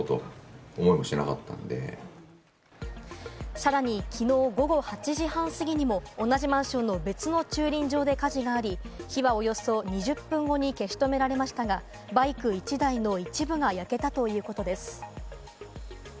さらに昨日午後８時半過ぎにも同じマンションの別の駐輪場で火事があり、火はおよそ２０分後に消し止められましたが、バイク１台の一部が焼けたということです。